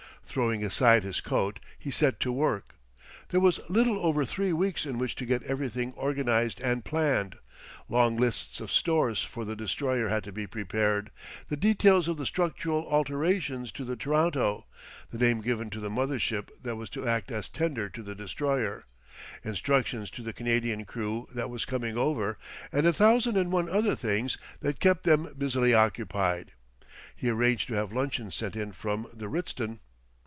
Throwing aside his coat, he set to work. There was little over three weeks in which to get everything organised and planned. Long lists of stores for the Destroyer had to be prepared, the details of the structural alterations to the Toronto, the name given to the mother ship that was to act as tender to the Destroyer, instructions to the Canadian crew that was coming over, and a thousand and one other things that kept them busily occupied. He arranged to have luncheon sent in from the Ritzton.